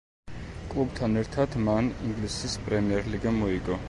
კლუბთან ერთად მან ინგლისის პრემიერ ლიგა მოიგო.